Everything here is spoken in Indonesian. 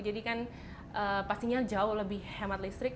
jadi kan pastinya jauh lebih hemat listrik